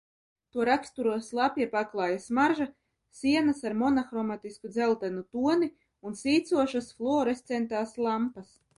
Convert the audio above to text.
To raksturo slapja paklāja smarža, sienas ar monohromatisku dzeltenu toni un sīcošas fluorescentās lampas.